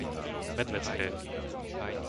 Medvecké